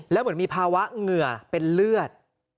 แล้วเหมือนมีภาวะเหงื่อเป็นเลือด